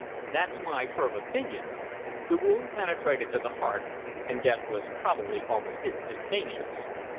"That is my firm opinion. The wound penetrated to the heart, and death was probably almost instantaneous."